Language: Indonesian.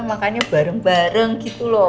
makannya bareng bareng gitu loh